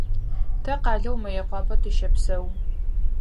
Тэ къалэу Мыекъуапэ тыщэпсэу.